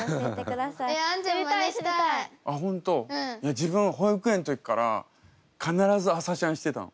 自分保育園の時から必ず朝シャンしてたの。